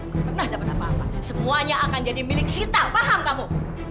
gak pernah dapat apa apa semuanya akan jadi milik sita paham kamu